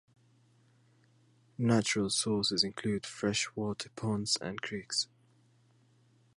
Natural sources include freshwater ponds and creeks.